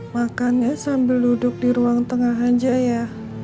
makannya sambil duduk di ruang tengah aja ya